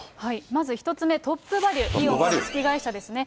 まず１つ目、トップバリュ、イオン株式会社ですね。